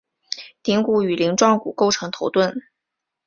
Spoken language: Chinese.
顶骨与鳞状骨构成头盾。